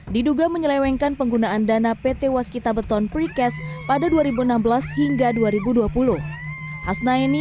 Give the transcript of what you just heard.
diduga menyelewengkan penggunaan dana pt waskita beton precast pada dua ribu enam belas hingga dua ribu dua puluh